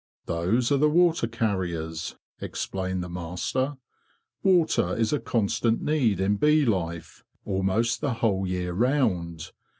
'Those are the water carriers,'' explained the master. '' Water is a constant need in bee life almost the whole year round.